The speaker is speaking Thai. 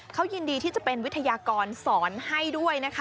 เขายินดีที่จะเป็นวิทยากรสอนให้ด้วยนะคะ